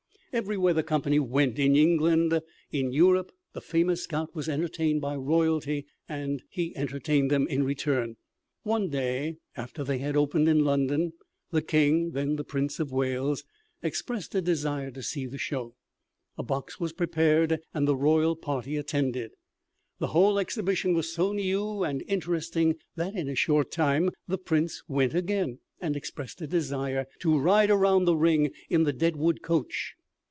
Everywhere the company went in England, in Europe, the famous scout was entertained by royalty and entertained them in return. One day after they had opened in London the King, then the Prince of Wales, expressed a desire to see the show. A box was prepared and the royal party attended. The whole exhibition was so new and interesting that in a short time the Prince went again, and expressed a desire to ride around the ring in the Deadwood coach.